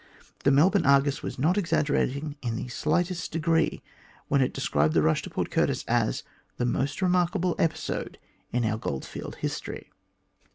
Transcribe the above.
The Melbourne Argus was not exaggerating in the slightest degree when it described the rush to Port Curtis as " the most remarkable episode in our goldfields' history."